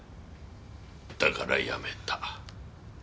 だから辞めた。